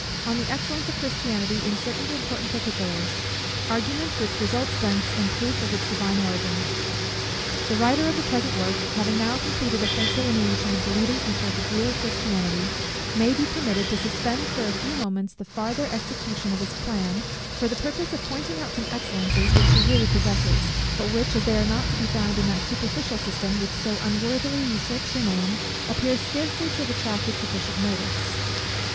_On the Excellence of Christianity in certain important Particulars. Argument which results thence in Proof of its divine Origin._ The writer of the present work, having now completed a faint delineation of the leading features of real Christianity, may be permitted to suspend for a few moments the farther execution of his plan, for the purpose of pointing out some excellences which she really possesses; but which, as they are not to be found in that superficial system which so unworthily usurps her name, appear scarcely to have attracted sufficient notice.